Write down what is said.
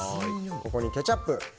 ここに、ケチャップ。